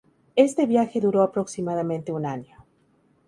Este viaje duro aproximadamente un año.